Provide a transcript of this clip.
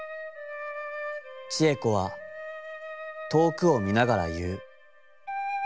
智恵子は遠くを見ながら言ふ。